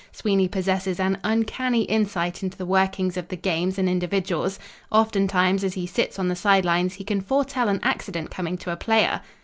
Sweeney possesses an uncanny insight into the workings of the games and individuals. Oftentimes as he sits on the side lines he can foretell an accident coming to a player.